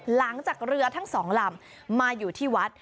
หลังจากเรือทั้งสองลำมาอยู่ที่วัด